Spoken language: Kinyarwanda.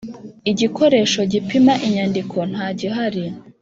Igikoresho gipima inyandiko ntagihari.